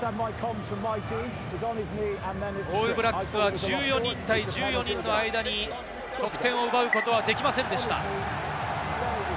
オールブラックスは１４人対１４人の間に得点を奪うことはできませんでした。